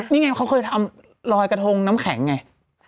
นี่ไงเขาเคยทำลอยกระทงน้ำแข็งไง